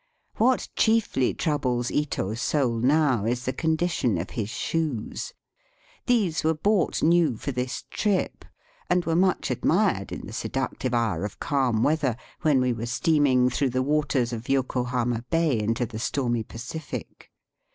What chiefly troubles Ito's soul now is the condition of his Digitized by VjOOQIC 64 EAST BY WEST. shoes. These were bought new for this trip, and were much admired in the seductive hour of calm weather when we were steaming through the. waters of Yokohama Bay into the stormy Pacific.